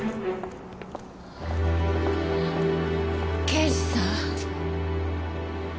刑事さん。